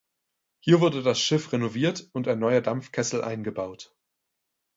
Hier wurde das Schiff renoviert und ein neuer Dampfkessel eingebaut.